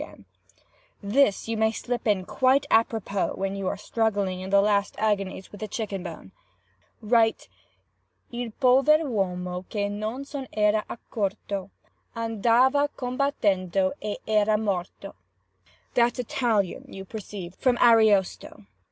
This you may slip in quite a propos when you are struggling in the last agonies with the chicken bone. Write! 'Il pover 'huomo che non se'n era accorto, Andava combattendo, e era morto.' "That's Italian, you perceive—from Ariosto.